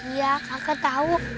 iya kakak tahu